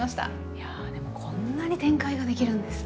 いやでもこんなに展開ができるんですね。